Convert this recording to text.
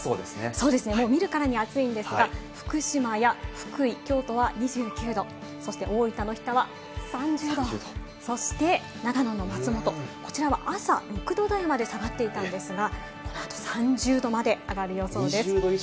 もう見るからに暑いんですが、福島や福井、京都は２９度、大分の日田は３０度、そして長野の松本、こちらは朝６度台まで下がっていたんですが、この後３０度まで上がる予想です。